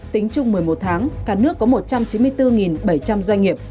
trong một mươi một tháng cả nước có một trăm chín mươi bốn bảy trăm linh doanh nghiệp